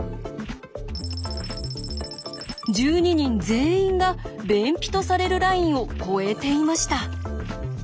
１２人全員が便秘とされるラインを越えていました。